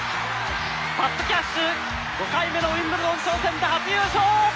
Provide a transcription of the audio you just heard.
パット・キャッシュ、５回目のウィンブルドン挑戦で初優勝！